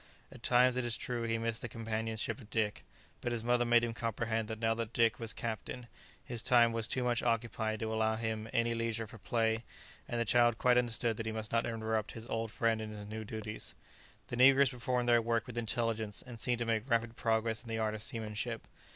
At times, it is true, he missed the companionship of Dick; but his mother made him comprehend that now that Dick, was captain, his time was too much occupied to allow him; any leisure for play, and the child quite understood that he must not interrupt his old friend in his new duties. [Illustration: A light shadow glided stealthily along the deck.] The negroes performed their work with intelligence, and seemed to make rapid progress in the art of seamanship.